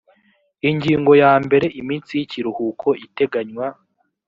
ingingo ya mbere iminsi y ikiruhuko iteganywa